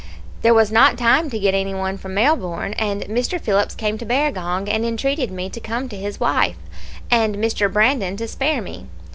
There was not time to get any one from Melbourne, and Mr. Phillips came to Barragong and entreated me to come to his wife, and Mr. Brandon to spare me.